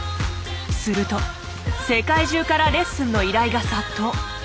すると世界中からレッスンの依頼が殺到。